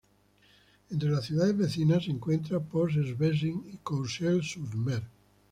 Entre las ciudades vecinas se encuentran Port-en-Bessin y Courseulles-sur-Mer.